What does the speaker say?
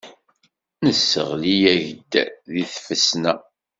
Nesseɣli-ak deg tfesna.